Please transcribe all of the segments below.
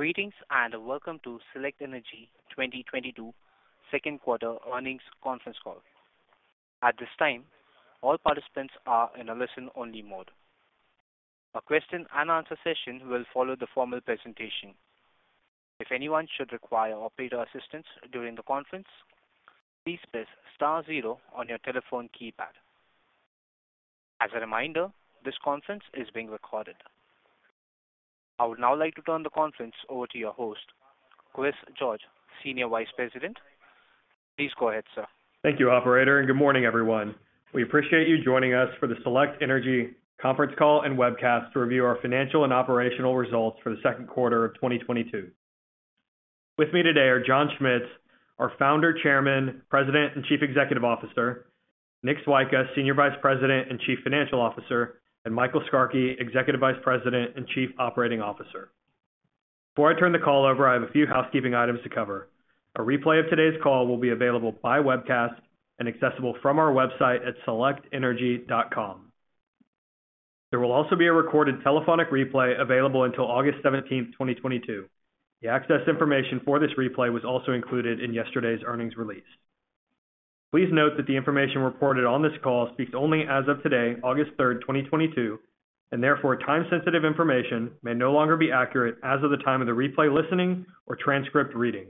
Greetings, and welcome to Select Energy 2022 Second Quarter Earnings Conference Call. At this time, all participants are in a listen-only mode. A question-and-answer session will follow the formal presentation. If anyone should require operator assistance during the conference, please press star zero on your telephone keypad. As a reminder, this conference is being recorded. I would now like to turn the conference over to your host, Chris George, Senior Vice President. Please go ahead, sir. Thank you, operator, and good morning, everyone. We appreciate you joining us for the Select Energy Conference Call and Webcast to review our financial and operational results for the second quarter of 2022. With me today are John Schmitz, our Founder, Chairman, President, and Chief Executive Officer, Nick Swyka, Senior Vice President and Chief Financial Officer, and Michael Skarke, Executive Vice President and Chief Operating Officer. Before I turn the call over, I have a few housekeeping items to cover. A replay of today's call will be available by webcast and accessible from our website at selectenergy.com. There will also be a recorded telephonic replay available until August 17, 2022. The access information for this replay was also included in yesterday's earnings release. Please note that the information reported on this call speaks only as of today, August 3, 2022, and therefore, time-sensitive information may no longer be accurate as of the time of the replay listening or transcript reading.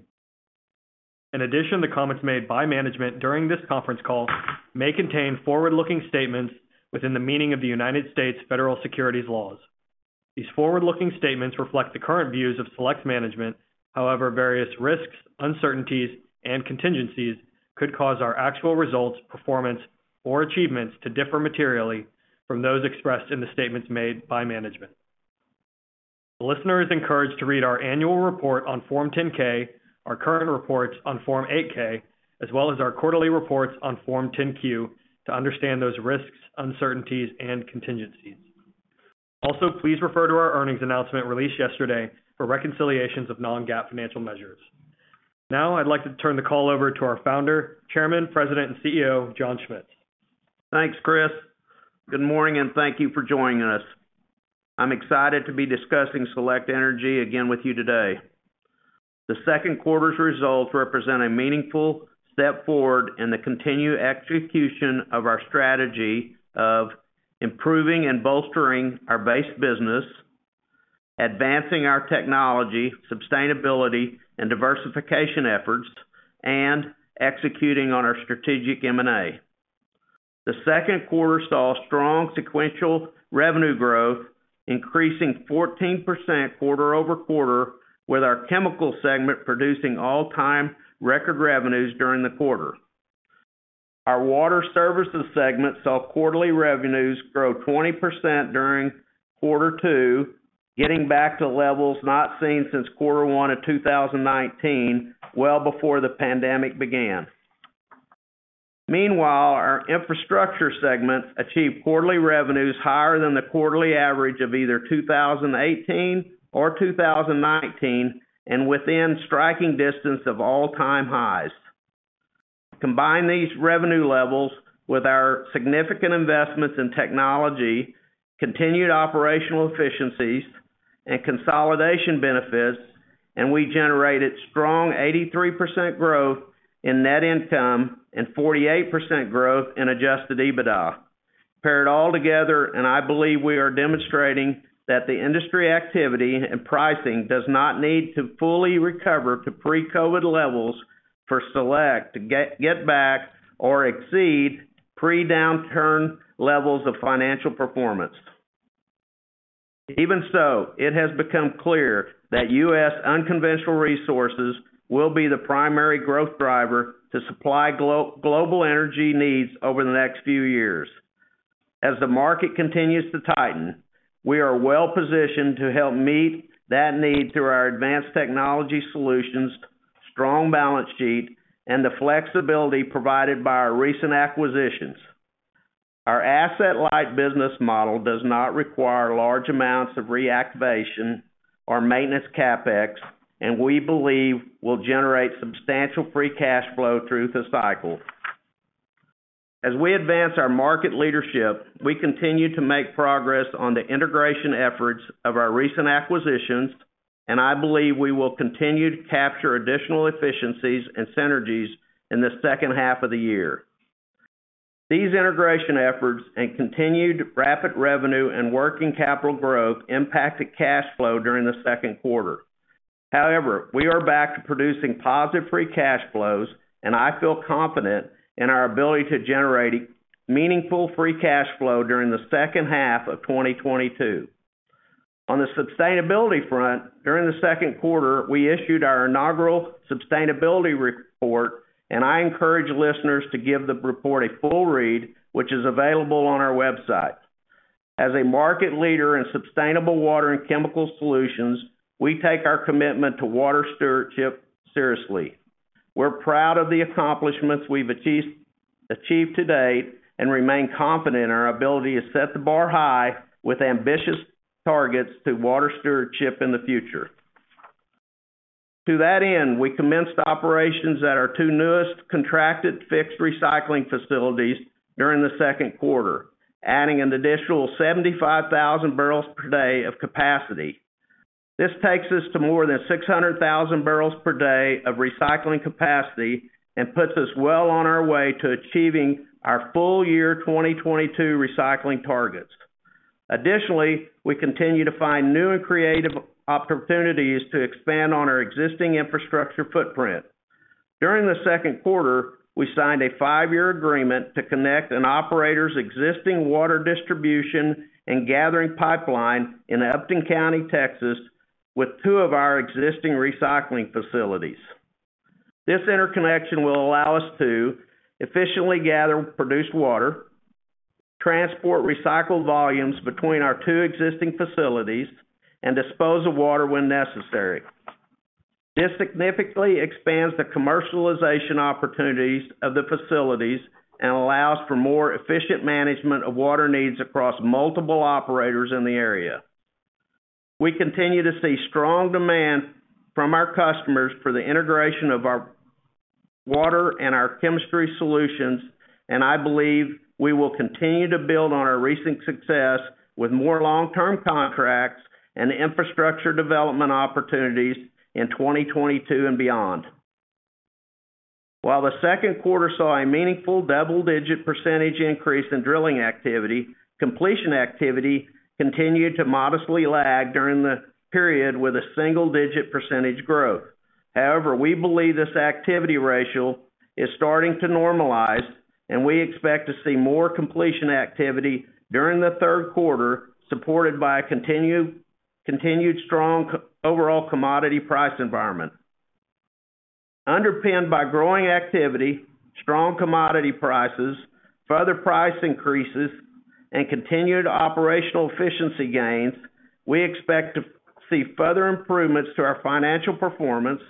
In addition, the comments made by management during this conference call may contain forward-looking statements within the meaning of the United States federal securities laws. These forward-looking statements reflect the current views of Select's management. However, various risks, uncertainties, and contingencies could cause our actual results, performance, or achievements to differ materially from those expressed in the statements made by management. The listener is encouraged to read our annual report on Form 10-K, our current reports on Form 8-K, as well as our quarterly reports on Form 10-Q to understand those risks, uncertainties, and contingencies. Also, please refer to our earnings announcement released yesterday for reconciliations of non-GAAP financial measures. Now, I'd like to turn the call over to our Founder, Chairman, President, and CEO, John Schmitz. Thanks, Chris. Good morning, and thank you for joining us. I'm excited to be discussing Select Energy again with you today. The second quarter's results represent a meaningful step forward in the continued execution of our strategy of improving and bolstering our base business, advancing our technology, sustainability, and diversification efforts, and executing on our strategic M&A. The second quarter saw strong sequential revenue growth, increasing 14% quarter-over-quarter, with our chemical segment producing all-time record revenues during the quarter. Our water services segment saw quarterly revenues grow 20% during quarter two, getting back to levels not seen since quarter one of 2019, well before the pandemic began. Meanwhile, our infrastructure segment achieved quarterly revenues higher than the quarterly average of either 2018 or 2019 and within striking distance of all-time highs. Combine these revenue levels with our significant investments in technology, continued operational efficiencies, and consolidation benefits, and we generated strong 83% growth in net income and 48% growth in adjusted EBITDA. Pair it all together, and I believe we are demonstrating that the industry activity and pricing does not need to fully recover to pre-COVID levels for Select to get back or exceed pre-downturn levels of financial performance. Even so, it has become clear that U.S. unconventional resources will be the primary growth driver to supply global energy needs over the next few years. As the market continues to tighten, we are well-positioned to help meet that need through our advanced technology solutions, strong balance sheet, and the flexibility provided by our recent acquisitions. Our asset-light business model does not require large amounts of reactivation or maintenance CapEx, and we believe will generate substantial free cash flow through the cycle. As we advance our market leadership, we continue to make progress on the integration efforts of our recent acquisitions, and I believe we will continue to capture additional efficiencies and synergies in the second half of the year. These integration efforts and continued rapid revenue and working capital growth impacted cash flow during the second quarter. However, we are back to producing positive free cash flows, and I feel confident in our ability to generate meaningful free cash flow during the second half of 2022. On the sustainability front, during the second quarter, we issued our inaugural sustainability report, and I encourage listeners to give the report a full read, which is available on our website. As a market leader in sustainable water and chemical solutions, we take our commitment to water stewardship seriously. We're proud of the accomplishments we've achieved to date and remain confident in our ability to set the bar high with ambitious targets to water stewardship in the future. To that end, we commenced operations at our two newest contracted fixed recycling facilities during the second quarter, adding an additional 75,000 barrels per day of capacity. This takes us to more than 600,000 barrels per day of recycling capacity and puts us well on our way to achieving our full year 2022 recycling targets. Additionally, we continue to find new and creative opportunities to expand on our existing infrastructure footprint. During the second quarter, we signed a 5-year agreement to connect an operator's existing water distribution and gathering pipeline in Upton County, Texas, with 2 of our existing recycling facilities. This interconnection will allow us to efficiently gather produced water, transport recycled volumes between our 2 existing facilities, and dispose the water when necessary. This significantly expands the commercialization opportunities of the facilities and allows for more efficient management of water needs across multiple operators in the area. We continue to see strong demand from our customers for the integration of our water and our chemistry solutions, and I believe we will continue to build on our recent success with more long-term contracts and infrastructure development opportunities in 2022 and beyond. While the second quarter saw a meaningful double-digit % increase in drilling activity, completion activity continued to modestly lag during the period with a single-digit % growth. However, we believe this activity ratio is starting to normalize, and we expect to see more completion activity during the third quarter, supported by a continued strong overall commodity price environment. Underpinned by growing activity, strong commodity prices, further price increases, and continued operational efficiency gains, we expect to see further improvements to our financial performance,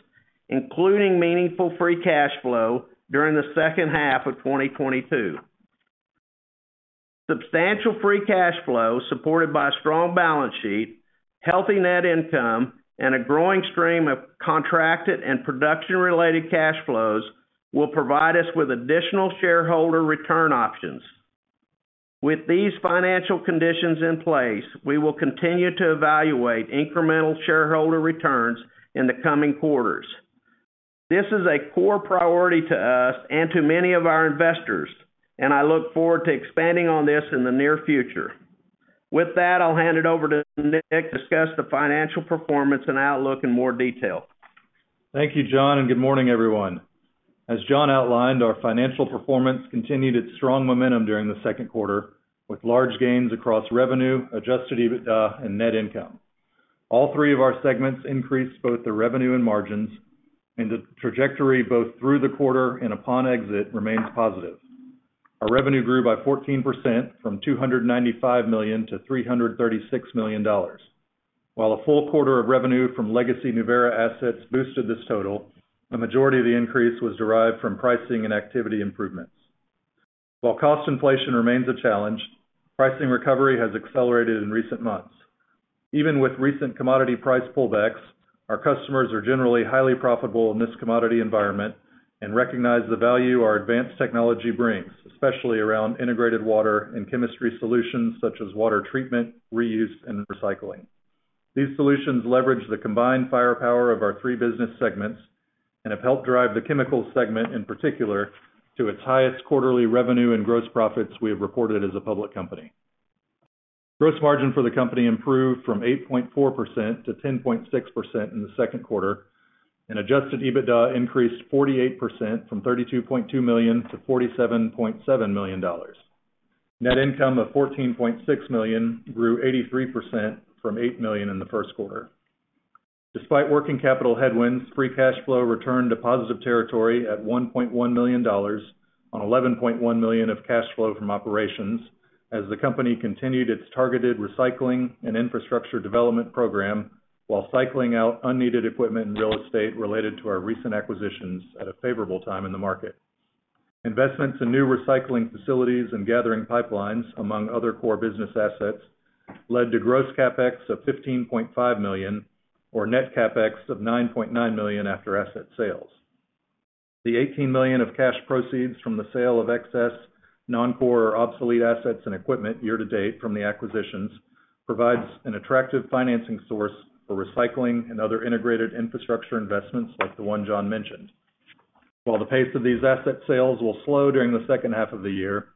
including meaningful free cash flow during the second half of 2022. Substantial free cash flow supported by strong balance sheet, healthy net income, and a growing stream of contracted and production-related cash flows will provide us with additional shareholder return options. With these financial conditions in place, we will continue to evaluate incremental shareholder returns in the coming quarters. This is a core priority to us and to many of our investors, and I look forward to expanding on this in the near future. With that, I'll hand it over to Nick to discuss the financial performance and outlook in more detail. Thank you, John, and good morning, everyone. As John outlined, our financial performance continued its strong momentum during the second quarter with large gains across revenue, adjusted EBITDA and net income. All three of our segments increased both the revenue and margins, and the trajectory, both through the quarter and upon exit, remains positive. Our revenue grew by 14% from $295 million to $336 million. While a full quarter of revenue from legacy Nuverra assets boosted this total, a majority of the increase was derived from pricing and activity improvements. While cost inflation remains a challenge, pricing recovery has accelerated in recent months. Even with recent commodity price pullbacks, our customers are generally highly profitable in this commodity environment and recognize the value our advanced technology brings, especially around integrated water and chemistry solutions such as water treatment, reuse and recycling. These solutions leverage the combined firepower of our three business segments and have helped drive the chemical segment, in particular, to its highest quarterly revenue and gross profits we have reported as a public company. Gross margin for the company improved from 8.4% to 10.6% in the second quarter, and adjusted EBITDA increased 48% from $32.2 million to $47.7 million. Net income of $14.6 million grew 83% from $8 million in the first quarter. Despite working capital headwinds, free cash flow returned to positive territory at $1.1 million on $11.1 million of cash flow from operations as the company continued its targeted recycling and infrastructure development program while cycling out unneeded equipment and real estate related to our recent acquisitions at a favorable time in the market. Investments in new recycling facilities and gathering pipelines, among other core business assets, led to gross CapEx of $15.5 million or net CapEx of $9.9 million after asset sales. The $18 million of cash proceeds from the sale of excess non-core or obsolete assets and equipment year to date from the acquisitions provides an attractive financing source for recycling and other integrated infrastructure investments like the one John mentioned. While the pace of these asset sales will slow during the second half of the year,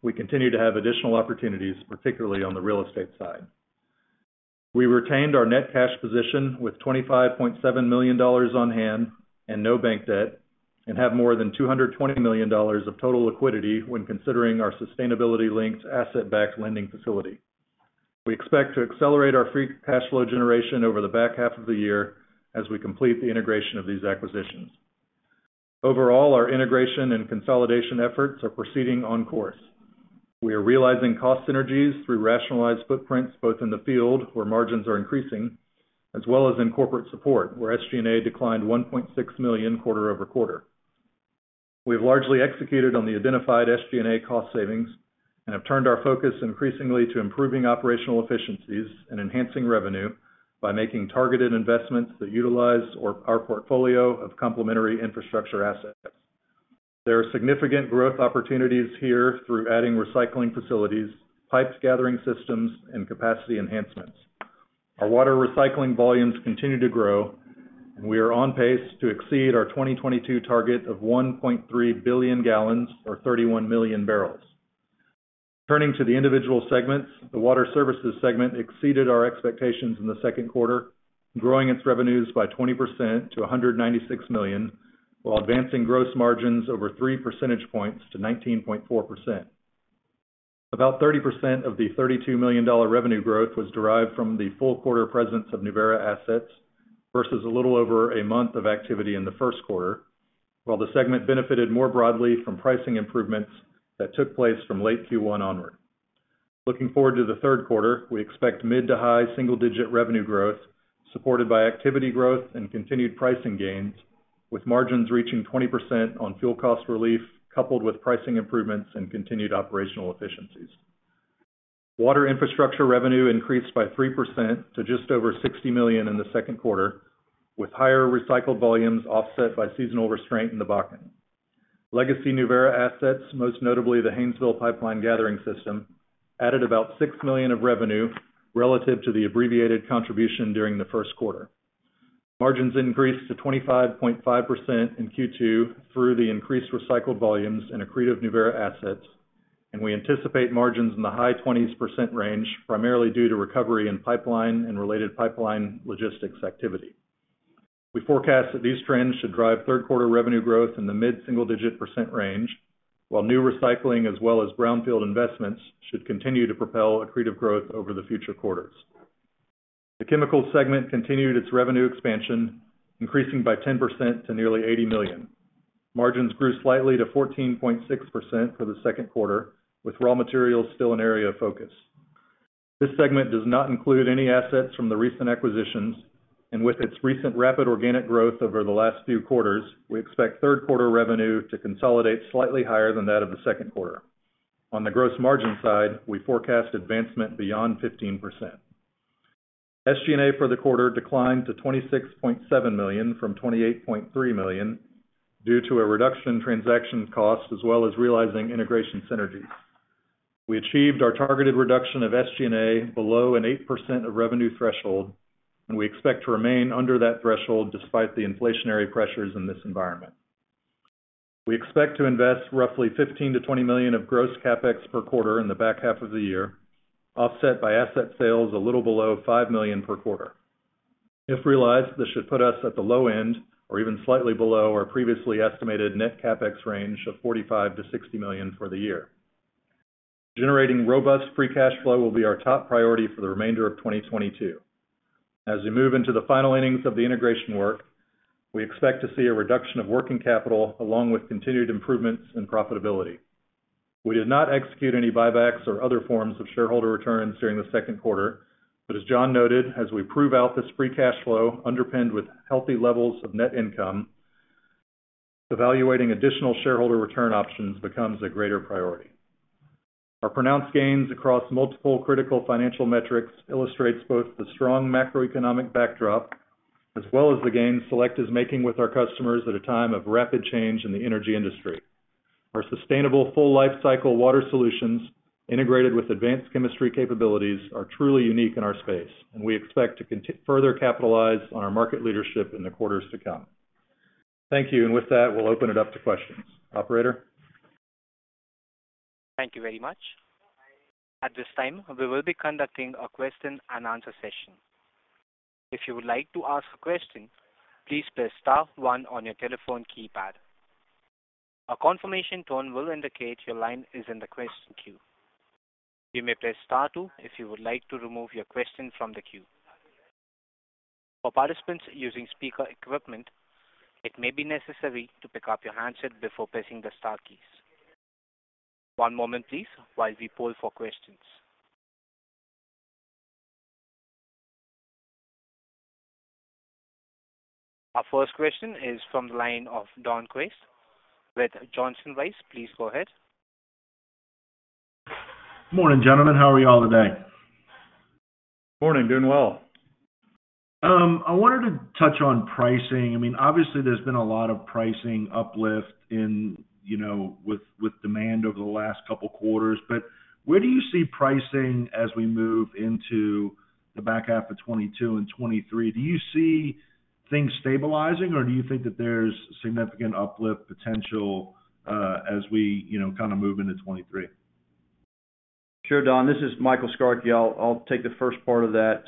we continue to have additional opportunities, particularly on the real estate side. We retained our net cash position with $25.7 million on hand and no bank debt, and have more than $220 million of total liquidity when considering our sustainability-linked asset-backed lending facility. We expect to accelerate our free cash flow generation over the back half of the year as we complete the integration of these acquisitions. Overall, our integration and consolidation efforts are proceeding on course. We are realizing cost synergies through rationalized footprints, both in the field where margins are increasing, as well as in corporate support, where SG&A declined $1.6 million quarter over quarter. We've largely executed on the identified SG&A cost savings and have turned our focus increasingly to improving operational efficiencies and enhancing revenue by making targeted investments that utilize our portfolio of complementary infrastructure assets. There are significant growth opportunities here through adding recycling facilities, pipeline gathering systems, and capacity enhancements. Our water recycling volumes continue to grow, and we are on pace to exceed our 2022 target of 1.3 billion gallons or 31 million barrels. Turning to the individual segments, the Water Services segment exceeded our expectations in the second quarter, growing its revenues by 20% to $196 million, while advancing gross margins over 3 percentage points to 19.4%. About 30% of the $32 million revenue growth was derived from the full quarter presence of Nuverra assets versus a little over a month of activity in the first quarter. While the segment benefited more broadly from pricing improvements that took place from late Q1 onward. Looking forward to the third quarter, we expect mid- to high single-digit revenue growth supported by activity growth and continued pricing gains, with margins reaching 20% on fuel cost relief, coupled with pricing improvements and continued operational efficiencies. Water Infrastructure revenue increased by 3% to just over $60 million in the second quarter, with higher recycled volumes offset by seasonal restraint in the Bakken. Legacy Nuverra assets, most notably the Haynesville pipeline gathering system, added about $6 million of revenue relative to the abbreviated contribution during the first quarter. Margins increased to 25.5% in Q2 through the increased recycled volumes and accretive Nuverra assets. We anticipate margins in the high 20s% range, primarily due to recovery in pipeline and related pipeline logistics activity. We forecast that these trends should drive third quarter revenue growth in the mid single-digit% range, while new recycling as well as brownfield investments should continue to propel accretive growth over the future quarters. The chemical segment continued its revenue expansion, increasing by 10% to nearly $80 million. Margins grew slightly to 14.6% for the second quarter, with raw materials still an area of focus. This segment does not include any assets from the recent acquisitions, and with its recent rapid organic growth over the last few quarters, we expect third quarter revenue to consolidate slightly higher than that of the second quarter. On the gross margin side, we forecast advancement beyond 15%. SG&A for the quarter declined to $26.7 million from $28.3 million due to a reduction in transaction cost as well as realizing integration synergies. We achieved our targeted reduction of SG&A below an 8% of revenue threshold, and we expect to remain under that threshold despite the inflationary pressures in this environment. We expect to invest roughly $15 million-$20 million of gross CapEx per quarter in the back half of the year, offset by asset sales a little below $5 million per quarter. If realized, this should put us at the low end or even slightly below our previously estimated net CapEx range of $45 million-$60 million for the year. Generating robust free cash flow will be our top priority for the remainder of 2022. As we move into the final innings of the integration work, we expect to see a reduction of working capital along with continued improvements in profitability. We did not execute any buybacks or other forms of shareholder returns during the second quarter. As John noted, as we prove out this free cash flow underpinned with healthy levels of net income, evaluating additional shareholder return options becomes a greater priority. Our pronounced gains across multiple critical financial metrics illustrates both the strong macroeconomic backdrop as well as the gains Select is making with our customers at a time of rapid change in the energy industry. Our sustainable full lifecycle water solutions integrated with advanced chemistry capabilities are truly unique in our space, and we expect to further capitalize on our market leadership in the quarters to come. Thank you. With that, we'll open it up to questions. Operator? Thank you very much. At this time, we will be conducting a question and answer session. If you would like to ask a question, please press star one on your telephone keypad. A confirmation tone will indicate your line is in the question queue. You may press star two if you would like to remove your question from the queue. For participants using speaker equipment, it may be necessary to pick up your handset before pressing the star keys. One moment please while we poll for questions. Our first question is from the line of Don Crist with Johnson Rice. Please go ahead. Morning, gentlemen. How are you all today? Morning. Doing well. I wanted to touch on pricing. I mean, obviously there's been a lot of pricing uplift in, you know, with demand over the last couple quarters. Where do you see pricing as we move into the back half of 2022 and 2023? Do you see things stabilizing, or do you think that there's significant uplift potential, as we, you know, kind of move into 2023? Sure, Don, this is Michael Skarke. I'll take the first part of that.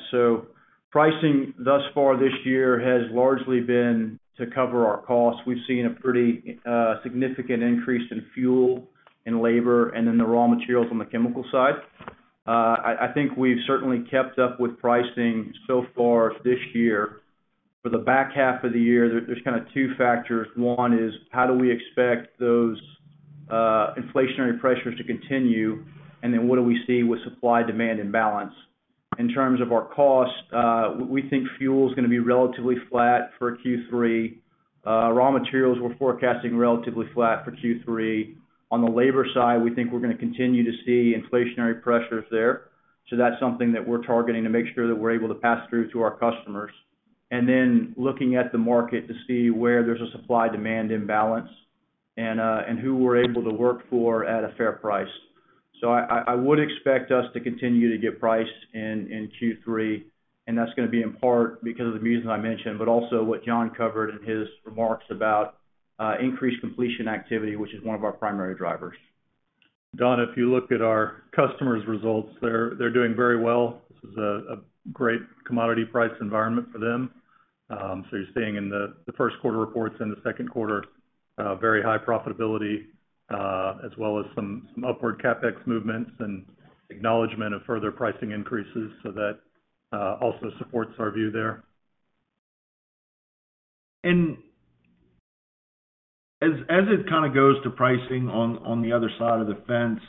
Pricing thus far this year has largely been to cover our costs. We've seen a pretty significant increase in fuel and labor and in the raw materials on the chemical side. I think we've certainly kept up with pricing so far this year. For the back half of the year, there's kind of two factors. One is how do we expect those Inflationary pressures to continue, and then what do we see with supply-demand imbalance. In terms of our cost, we think fuel's gonna be relatively flat for Q3. Raw materials, we're forecasting relatively flat for Q3. On the labor side, we think we're gonna continue to see inflationary pressures there. That's something that we're targeting to make sure that we're able to pass through to our customers. Looking at the market to see where there's a supply-demand imbalance and who we're able to work for at a fair price. I would expect us to continue to get price in Q3, and that's gonna be in part because of the reasons I mentioned, but also what John covered in his remarks about increased completion activity, which is one of our primary drivers. Don, if you look at our customers' results, they're doing very well. This is a great commodity price environment for them. You're seeing in the first quarter reports, in the second quarter, very high profitability, as well as some upward CapEx movements and acknowledgement of further pricing increases. That also supports our view there. As it kind of goes to pricing on the other side of the fence,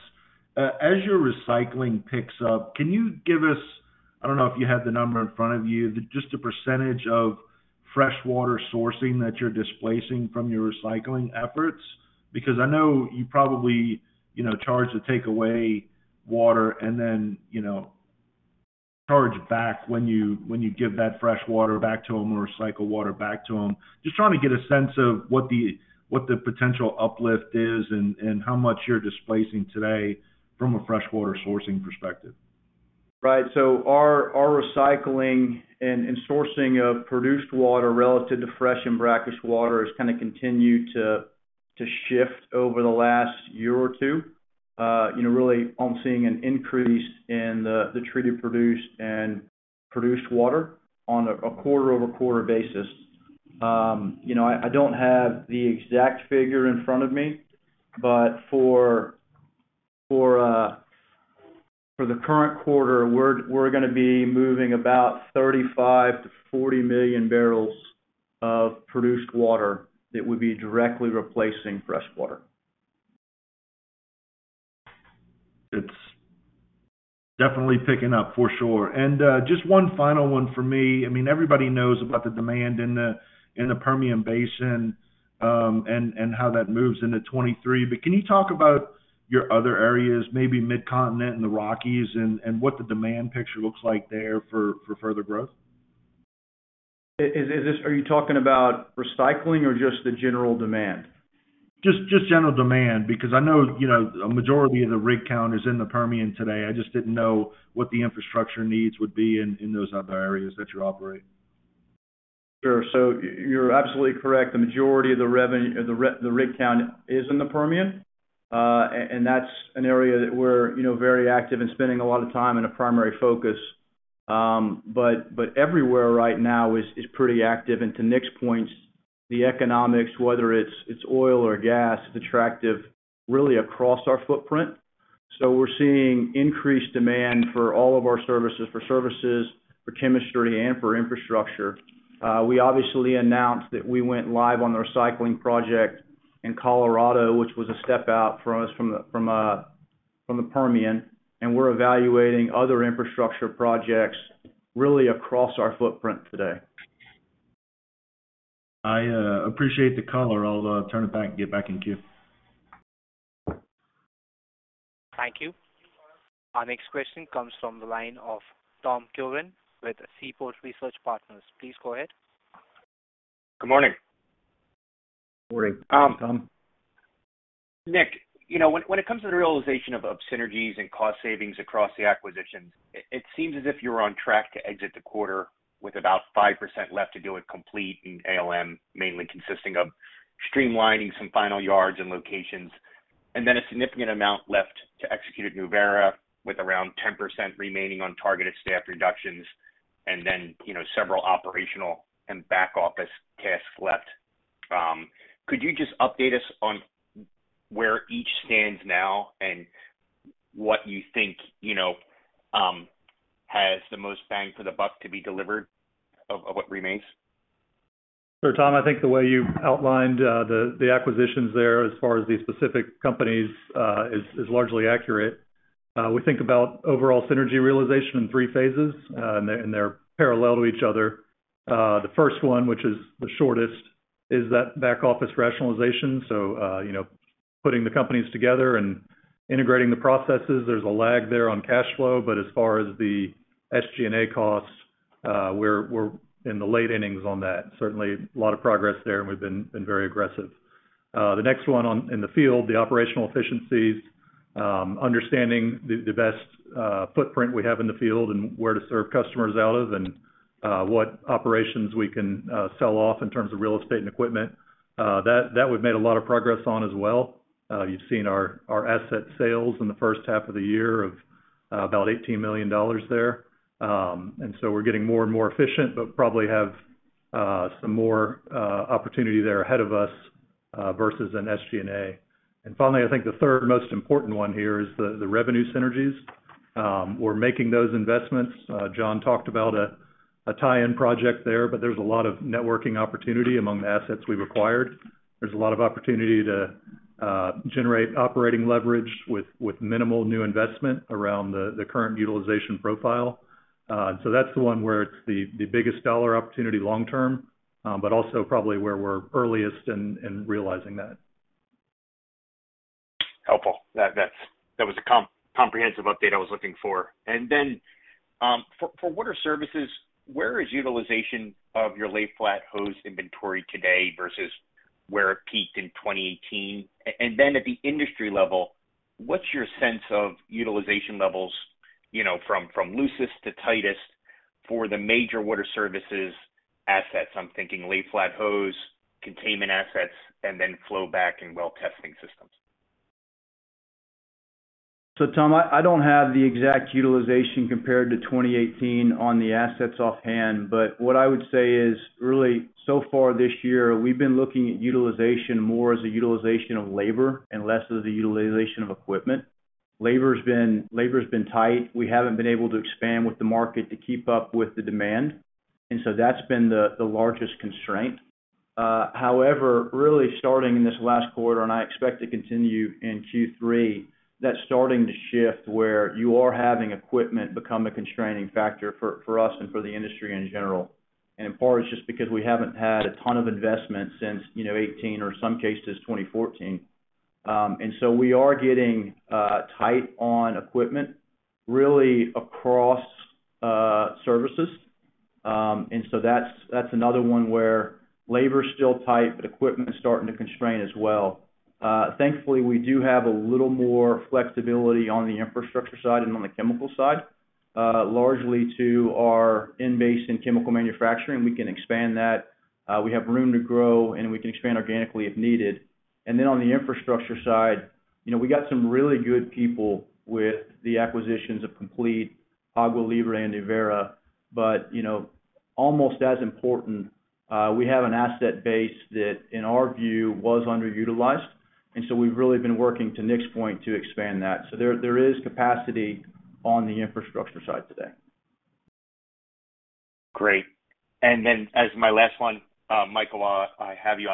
as your recycling picks up, can you give us... I don't know if you have the number in front of you, just the percentage of fresh water sourcing that you're displacing from your recycling efforts. Because I know you probably, you know, charge to take away water and then, you know, charge back when you give that fresh water back to them or recycle water back to them. Just trying to get a sense of what the potential uplift is and how much you're displacing today from a fresh water sourcing perspective. Right. Our recycling and sourcing of produced water relative to fresh and brackish water has kind of continued to shift over the last year or two. You know, really seeing an increase in the treated produced and produced water on a quarter-over-quarter basis. You know, I don't have the exact figure in front of me, but for the current quarter, we're gonna be moving about 35-40 million barrels of produced water that would be directly replacing fresh water. It's definitely picking up for sure. Just one final one for me. I mean, everybody knows about the demand in the Permian Basin, and how that moves into 2023. Can you talk about your other areas, maybe Mid-Continent and the Rockies, and what the demand picture looks like there for further growth? Are you talking about recycling or just the general demand? Just general demand, because I know, you know, a majority of the rig count is in the Permian today. I just didn't know what the infrastructure needs would be in those other areas that you operate. Sure. You're absolutely correct. The majority of the rig count is in the Permian. That's an area that we're, you know, very active and spending a lot of time and a primary focus. Everywhere right now is pretty active. To Nick's point, the economics, whether it's oil or gas, is attractive really across our footprint. We're seeing increased demand for all of our services, chemistry, and infrastructure. We obviously announced that we went live on the recycling project in Colorado, which was a step out from the Permian, and we're evaluating other infrastructure projects really across our footprint today. I appreciate the color. I'll turn it back and get back in queue. Thank you. Our next question comes from the line of Tom Curran with Seaport Research Partners. Please go ahead. Good morning. Morning. Morning, Tom. Nick, you know, when it comes to the realization of synergies and cost savings across the acquisitions, it seems as if you're on track to exit the quarter with about 5% left to do with Complete and ALM, mainly consisting of streamlining some final yards and locations, and then a significant amount left to execute at Nuverra with around 10% remaining on targeted staff reductions and then, you know, several operational and back office tasks left. Could you just update us on where each stands now and what you think, you know, has the most bang for the buck to be delivered of what remains? Sure, Tom. I think the way you outlined the acquisitions there as far as the specific companies is largely accurate. We think about overall synergy realization in three phases, and they're parallel to each other. The first one, which is the shortest, is that back office rationalization. You know, putting the companies together and integrating the processes. There's a lag there on cash flow, but as far as the SG&A costs, we're in the late innings on that. Certainly a lot of progress there, and we've been very aggressive. The next one in the field, the operational efficiencies, understanding the best footprint we have in the field and where to serve customers out of and what operations we can sell off in terms of real estate and equipment, that we've made a lot of progress on as well. You've seen our asset sales in the first half of the year of about $18 million there. We're getting more and more efficient, but probably have some more opportunity there ahead of us versus in SG&A. Finally, I think the third most important one here is the revenue synergies. We're making those investments. John talked about a tie-in project there, but there's a lot of networking opportunity among the assets we've acquired. There's a lot of opportunity to generate operating leverage with minimal new investment around the current utilization profile. That's the one where it's the biggest dollar opportunity long term, but also probably where we're earliest in realizing that. Helpful. That was a comprehensive update I was looking for. Then, for water services, where is utilization of your lay flat hose inventory today versus where it peaked in 2018? Then at the industry level, what's your sense of utilization levels, you know, from loosest to tightest for the major water services assets? I'm thinking lay flat hose, containment assets, and then flowback and well testing systems. Tom, I don't have the exact utilization compared to 2018 on the assets offhand. What I would say is, really so far this year, we've been looking at utilization more as a utilization of labor and less of the utilization of equipment. Labor's been tight. We haven't been able to expand with the market to keep up with the demand. That's been the largest constraint. However, really starting in this last quarter, and I expect to continue in Q3, that's starting to shift where you are having equipment become a constraining factor for us and for the industry in general. In part, it's just because we haven't had a ton of investment since, you know, 2018 or some cases, 2014. We are getting tight on equipment really across services. That's another one where labor is still tight, but equipment is starting to constrain as well. Thankfully, we do have a little more flexibility on the infrastructure side and on the chemical side, largely to our in-basin chemical manufacturing. We can expand that. We have room to grow and we can expand organically if needed. On the infrastructure side, you know, we got some really good people with the acquisitions of Complete, Agua Libre and Nuverra. You know, almost as important, we have an asset base that, in our view, was underutilized, and so we've really been working, to Nick's point, to expand that. There is capacity on the infrastructure side today. Great. As my last one, Michael, I have you.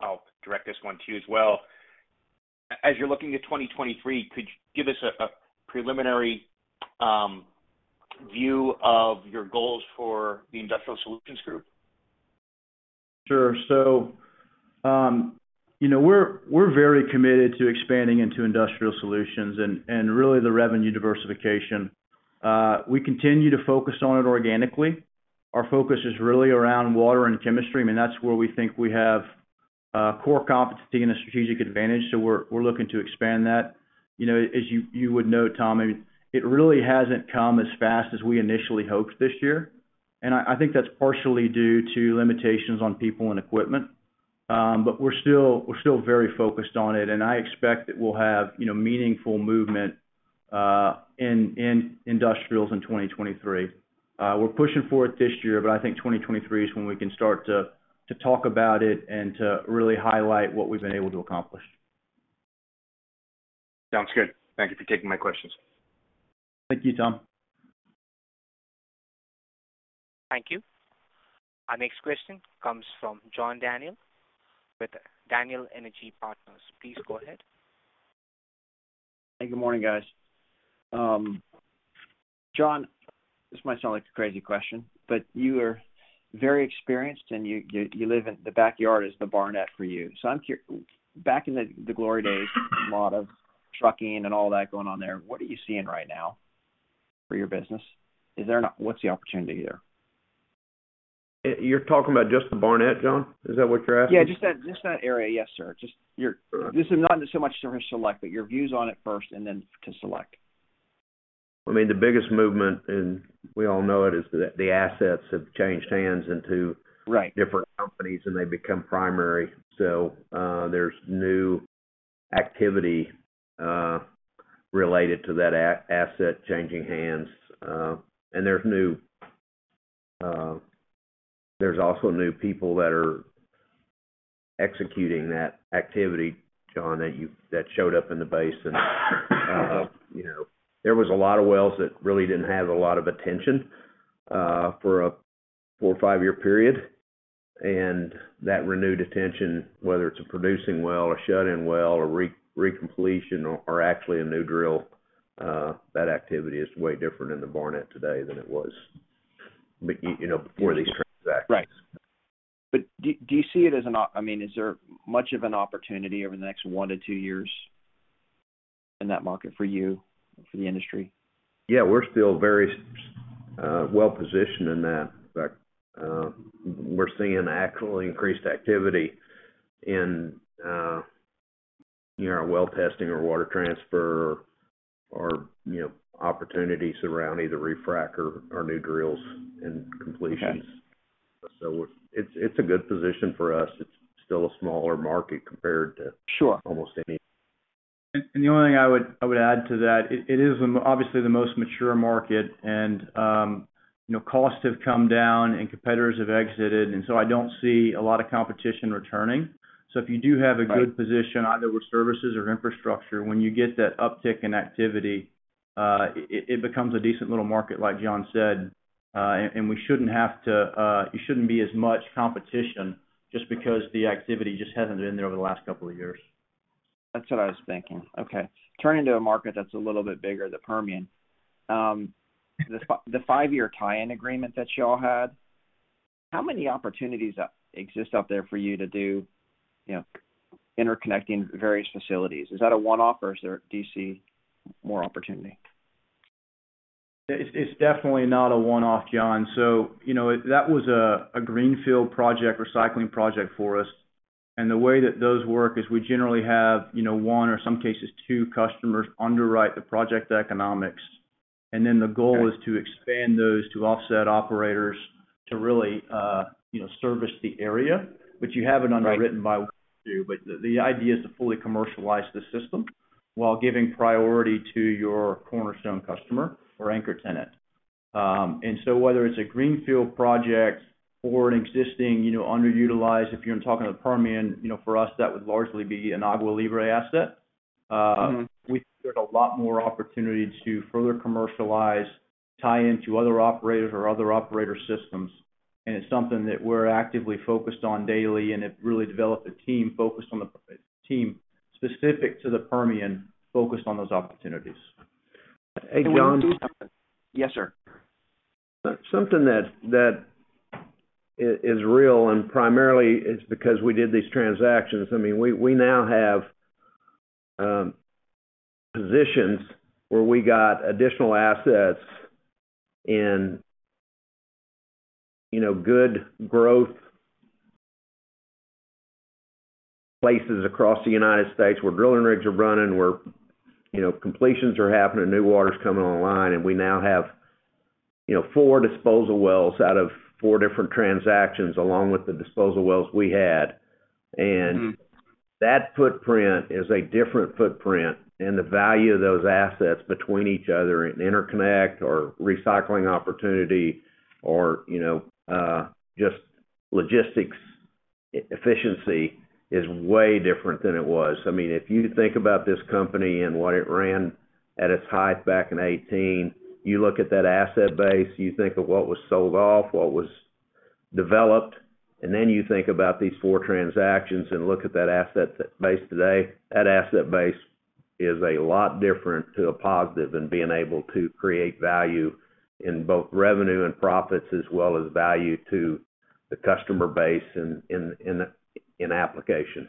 I'll direct this one to you as well. As you're looking at 2023, could you give us a preliminary view of your goals for the Industrial Solutions Group? Sure. We're very committed to expanding into Industrial Solutions and really the revenue diversification. We continue to focus on it organically. Our focus is really around water and chemistry. I mean, that's where we think we have core competency and a strategic advantage, so we're looking to expand that. You know, as you would know, Tom, I mean, it really hasn't come as fast as we initially hoped this year. I think that's partially due to limitations on people and equipment. We're still very focused on it, and I expect that we'll have meaningful movement in industrials in 2023. We're pushing for it this year, but I think 2023 is when we can start to talk about it and to really highlight what we've been able to accomplish. Sounds good. Thank you for taking my questions. Thank you, Tom. Thank you. Our next question comes from John Daniel with Daniel Energy Partners. Please go ahead. Hey, good morning, guys. John, this might sound like a crazy question, but you are very experienced, and you live in the backyard, the Barnett for you. Back in the glory days, a lot of trucking and all that going on there, what are you seeing right now for your business? What's the opportunity there? You're talking about just the Barnett, John? Is that what you're asking? Yeah, just that area. Yes, sir. This is not so much services, Select, but your views on it first and then to Select. I mean, the biggest movement, and we all know it, is the assets have changed hands into Right.... different companies, they become primary. There's new activity related to that asset changing hands. There's also new people that are executing that activity, John, that showed up in the basin. You know, there was a lot of wells that really didn't have a lot of attention for a four or five-year period. That renewed attention, whether it's a producing well, a shut-in well, a recompletion or actually a new drill, that activity is way different in the Barnett today than it was, you know, before these transactions. Right. I mean, is there much of an opportunity over the next 1-2 years in that market for you, for the industry? Yeah. We're still very, well positioned in that. In fact, we're seeing actually increased activity in, you know, our well testing or water transfer or, you know, opportunities around either refrac or new drills and completions. Okay. It's a good position for us. It's still a smaller market compared to- Sure almost any. The only thing I would add to that. It is obviously the most mature market. You know, costs have come down and competitors have exited, and so I don't see a lot of competition returning. If you do have a good position, either with services or infrastructure, when you get that uptick in activity, it becomes a decent little market like John said. We shouldn't have to. It shouldn't be as much competition just because the activity just hasn't been there over the last couple of years. That's what I was thinking. Okay. Turning to a market that's a little bit bigger, the Permian. The five-year tie-in agreement that y'all had, how many opportunities exist out there for you to do, you know, interconnecting various facilities? Is that a one-off or do you see more opportunity? It's definitely not a one-off, John. You know, that was a greenfield project, recycling project for us. The way that those work is we generally have, you know, one or in some cases two customers underwrite the project economics. Then the goal is to expand those to other operators to really, you know, service the area. You have it underwritten by two. The idea is to fully commercialize the system while giving priority to your cornerstone customer or anchor tenant. Whether it's a greenfield project or an existing, you know, underutilized, if you're talking in the Permian, you know, for us, that would largely be an Agua Libre asset. Mm-hmm. We've got a lot more opportunity to further commercialize, tie into other operators or other operator systems, and it's something that we're actively focused on daily, and have really developed a team focused on the team specific to the Permian, focused on those opportunities. Hey, John. Yes, sir. Something that is real and primarily it's because we did these transactions. I mean, we now have positions where we got additional assets in, you know, good growth places across the United States where drilling rigs are running, where, you know, completions are happening and new water's coming online. We now have, you know, four disposal wells out of four different transactions along with the disposal wells we had. Mm-hmm. That footprint is a different footprint, and the value of those assets between each other in interconnect or recycling opportunity or, you know, just logistics efficiency is way different than it was. I mean, if you think about this company and what it ran at its height back in 2018, you look at that asset base, you think of what was sold off, what was developed, and then you think about these four transactions and look at that asset base today, that asset base is a lot different to a positive and being able to create value in both revenue and profits as well as value to the customer base in application.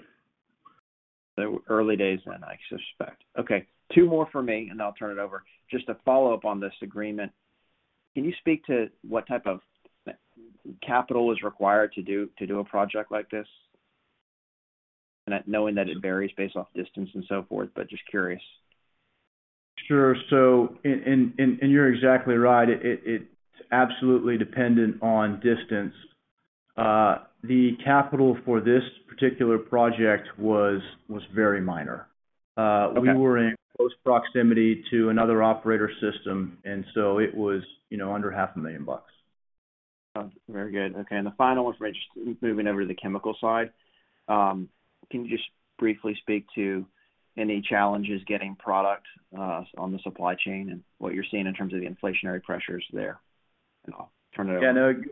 They were early days then, I suspect. Okay, two more for me, and then I'll turn it over. Just to follow up on this agreement, can you speak to what type of capital is required to do a project like this? Knowing that it varies based off distance and so forth, but just curious. Sure. You're exactly right. It's absolutely dependent on distance. The capital for this particular project was very minor. Okay. We were in close proximity to another operator system, and so it was, you know, under half a million bucks. Oh, very good. Okay. The final one for me, just moving over to the chemical side. Can you just briefly speak to any challenges getting product on the supply chain and what you're seeing in terms of the inflationary pressures there? I'll turn it over. Yeah,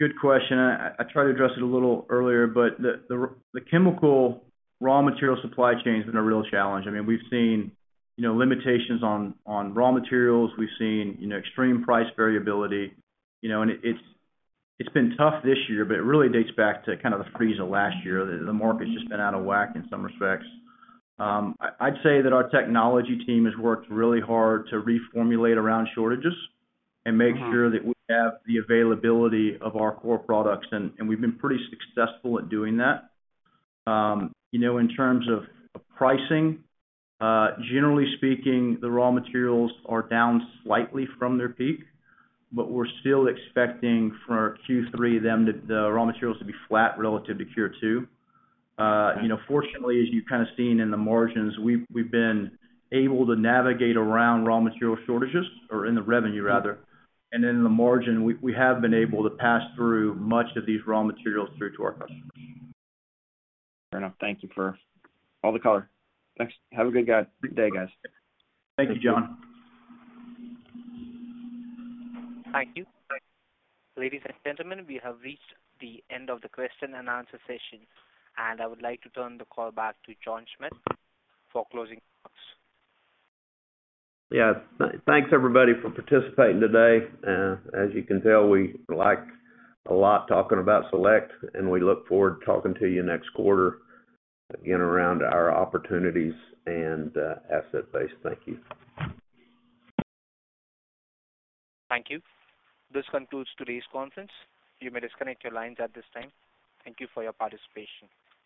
no. Good question. I tried to address it a little earlier, but the chemical raw material supply chain has been a real challenge. I mean, we've seen, you know, limitations on raw materials. We've seen, you know, extreme price variability. You know, and it's been tough this year, but it really dates back to kind of the freeze of last year. The market's just been out of whack in some respects. I'd say that our technology team has worked really hard to reformulate around shortages and make sure that we have the availability of our core products, and we've been pretty successful at doing that. You know, in terms of pricing, generally speaking, the raw materials are down slightly from their peak, but we're still expecting for Q3 the raw materials to be flat relative to Q2. You know, fortunately, as you've kind of seen in the margins, we've been able to navigate around raw material shortages, or in the revenue rather. In the margin, we have been able to pass through much of these raw materials through to our customers. Fair enough. Thank you for all the color. Thanks. Have a good day, guys. Thank you, John. Thank you. Ladies and gentlemen, we have reached the end of the question and answer session, and I would like to turn the call back to John Schmitz for closing remarks. Yeah. Thanks everybody for participating today. As you can tell, we like a lot talking about Select, and we look forward to talking to you next quarter, again, around our opportunities and asset base. Thank you. Thank you. This concludes today's conference. You may disconnect your lines at this time. Thank you for your participation.